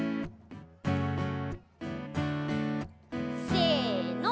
せの。